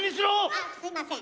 あっすいません。